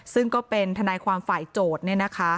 ซึ่งก็เป็นทนายความฝ่ายโจทย์